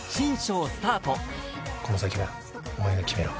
この先はお前が決めろ。